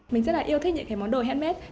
mình rất là yêu thích những cái món đồ handmade